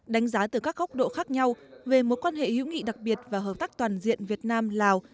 đánh giá từ các góc độ khác nhau về mối quan hệ hữu nghị đặc biệt và hợp tác toàn diện việt nam lào